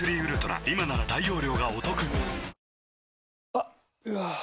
あっ、うわー。